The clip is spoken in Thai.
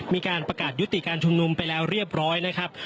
มีการประกาศยุติการชุมนุมไปแล้วเรียบร้อยนะครับ